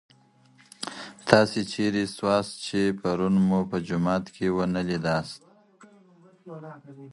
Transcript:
تاسي چيري سواست چي پرون مو په جومات کي ونه لیداست؟